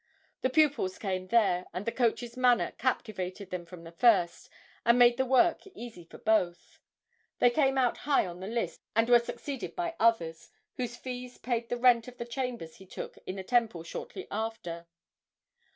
The pupils came there, and the coach's manner captivated them from the first, and made the work easy for both; they came out high on the list, and were succeeded by others, whose fees paid the rent of the chambers he took in the Temple shortly after.